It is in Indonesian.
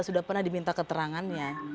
sudah pernah diminta keterangannya